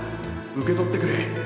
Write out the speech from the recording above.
受け取ってくれ。